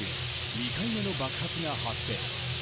２回目の爆発が発生。